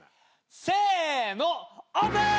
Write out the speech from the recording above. せのオープン！